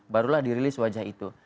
barulah dirilis wajah itu